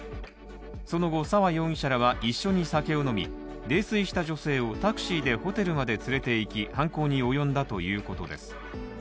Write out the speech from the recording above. その後、沢容疑者らは一緒に酒を飲み、泥酔した女性をタクシーでホテルまで連れて行き犯行に及んだということです。